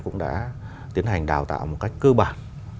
cũng đã tiến hành đào tạo một cách cơ bản